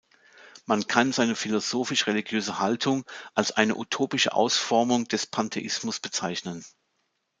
Man kann seine philosophisch-religiöse Haltung als eine utopische Ausformung des Pantheismus bezeichnen.